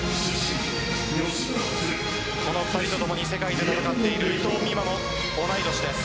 この２人と共に世界で戦っている伊藤美誠も同い年です。